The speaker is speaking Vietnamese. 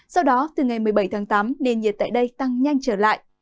sau đó từ ngày một mươi bảy tháng tám nền nhiệt tại đây tăng nhanh trở lại